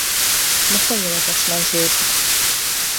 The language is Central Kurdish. لەخۆیەوە دەشڵەژێت